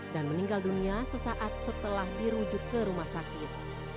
dan meninggal dunia sesaat setelah dirujuk ke rumah sakit